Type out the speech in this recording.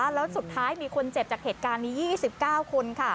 แล้วสุดท้ายมีคนเจ็บจากเหตุการณ์นี้๒๙คน